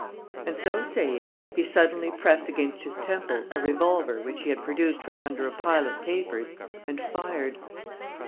And, so saying, he suddenly pressed against his temple a revolver which he had produced from under a pile of papers and fired.